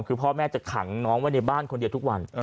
คือพ่อแม่จะขังน้องไว้ในบ้านคนเดียวทุกวัน